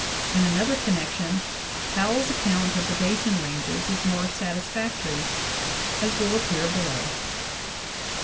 In another connection Powell's account of the Basin ranges is more satisfactory, as will appear below.